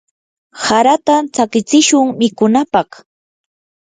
harata tsakichishun mikunapaq.